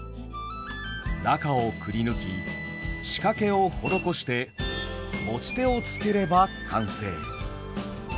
中をくりぬき仕掛けを施して持ち手をつければ完成。